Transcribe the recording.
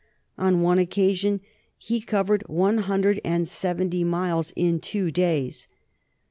On one occa sion he covered one hundred and seventy miles in two days.